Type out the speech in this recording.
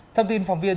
thông tin phòng viên